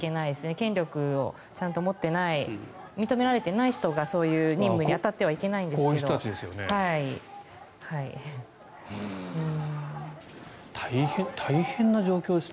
権力を持っていない認められていない人がそういう任務に当たってはいけないんですが。